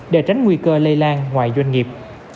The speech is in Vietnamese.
để tránh nguy cơ lây lan ngoài doanh nghiệp